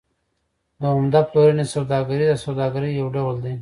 د عمده پلورنې سوداګري د سوداګرۍ یو ډول دی